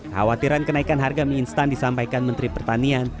khawatiran kenaikan harga mie instan disampaikan menteri pertanian